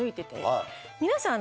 皆さん。